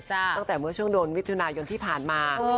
ตั้งแต่เมื่อช่วงโดนมิถุนายนที่ผ่านมา